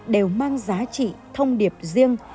đều mang giá trị thông điệp riêng